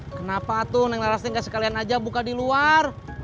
kenapa tuh neng larastis gak sekalian aja buka di luar